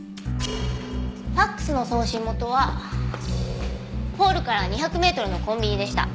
ファクスの送信元はホールから２００メートルのコンビニでした。